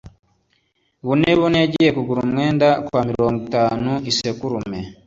Bune bune yagiye kugura umwenda kwa mirongo itanu-Isekurume.